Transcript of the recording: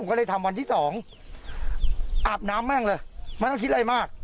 ก็เลยทำวันที่สองอาบน้ำแม่งเลยไม่ต้องคิดอะไรมาก